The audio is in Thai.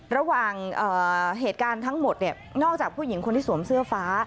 ระหว่างเหตุการณ์ทั้งหมดเนี่ยนอกจากผู้หญิงคนที่สวมเสื้อฟ้า